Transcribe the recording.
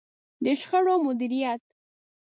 د شخړو مديريت.